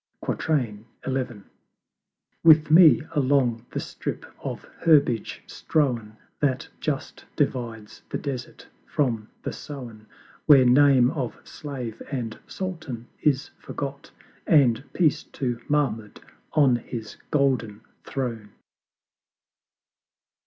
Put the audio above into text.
XI. With me along the strip of Herbage strown That just divides the desert from the sown, Where name of Slave and Sultan is forgot And Peace to Mahmud on his golden Throne!